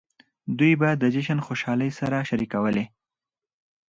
دوی به د جشن خوشحالۍ سره شریکولې.